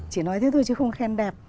chỉ nói thế thôi chứ không khen đẹp